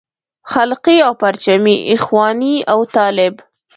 خلقي او پرچمي اخواني او طالب.